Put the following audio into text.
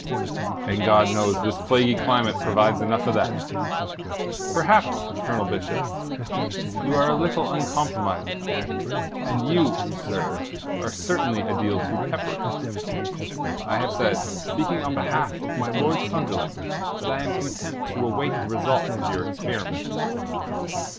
"And God knows this plaguey climate provides enough of that. Perhaps, Colonel Bishop, you are a little uncompromising; and you, sir, are certainly a deal too peppery. I have said, speaking on behalf of my Lord Sunderland, that I am content to await the result of your experiment."